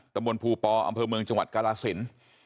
ตระบวนภูปอร์อำเภอเมืองจังหวัดการานสิน